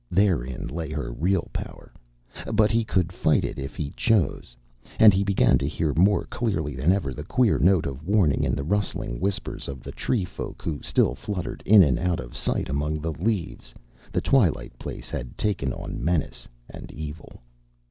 Therein lay her real power, but he could fight it if he chose. And he began to hear more clearly than ever the queer note of warning in the rustling whispers of the tree folk who still fluttered in and out of sight among the leaves. The twilight place had taken on menace and evil.